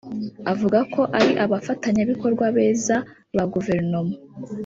avuga ko ari abafatanyabikorwa beza ba Guverinoma